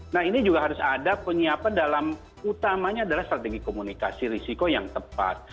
nah ini juga harus ada penyiapan dalam utamanya adalah strategi komunikasi risiko yang tepat